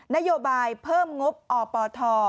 นโยบายเพิ่มงบอปท